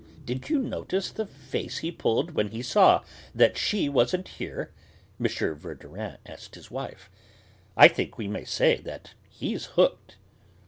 "Did you notice the face he pulled when he saw that she wasn't here?" M. Verdurin asked his wife. "I think we may say that he's hooked."